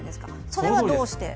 それはどうして？